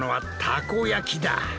たこ焼き